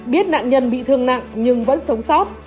biết nạn nhân bị thương nặng nhưng vẫn sống sót